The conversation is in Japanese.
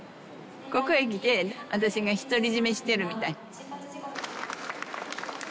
ここへ来て私が独り占めしてるみたい。